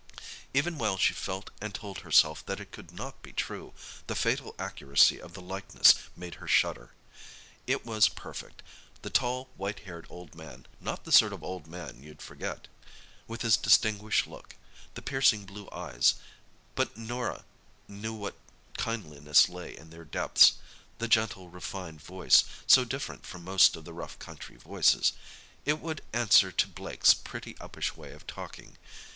Even while she felt and told herself that it could not be, the fatal accuracy of the likeness made her shudder. It was perfect—the tall, white haired old man—"not the sort of old man you'd forget"—with his distinguished look; the piercing blue eyes—but Norah knew what kindliness lay in their depths—the gentle refined voice, so different from most of the rough country voices. It would answer to Blake's "pretty uppish way of talking."